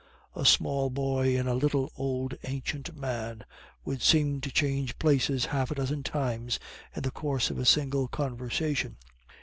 A small boy and a little old ancient man would seem to change places half a dozen times in the course of a single conversation.